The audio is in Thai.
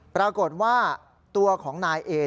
ปรากฏว่าตัวของนายเอ